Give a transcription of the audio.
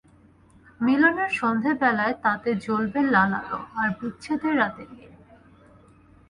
মিলনের সন্ধেবেলায় তাতে জ্বলবে লাল আলো, আর বিচ্ছেদের রাতে নীল।